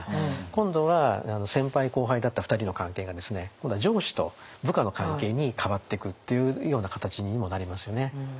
今度は先輩後輩だった２人の関係がですね今度は上司と部下の関係に変わってくっていうような形にもなりますよね。